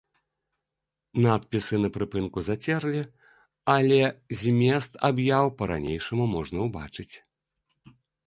Надпісы на прыпынку зацерлі, але змест аб'яў па-ранейшаму можна ўбачыць.